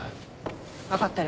分かってる。